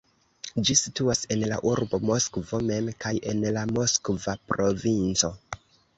Ĝi situas en la urbo Moskvo mem kaj en la Moskva provinco.